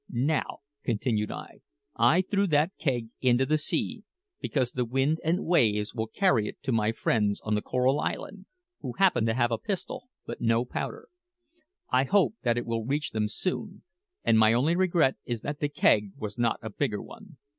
"Now," continued I, "I threw that keg into the sea because the wind and waves will carry it to my friends on the Coral Island, who happen to have a pistol but no powder. I hope that it will reach them soon; and my only regret is that the keg was not a bigger one.